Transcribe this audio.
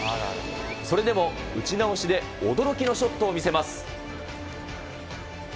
それでも打ち直しで驚きのショットを見せます。